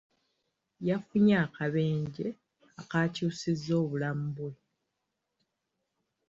Yafunye akabenje akaakyusizza obulamu bwe.